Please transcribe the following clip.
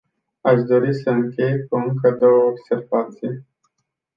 Aș dori să închei cu încă două observații.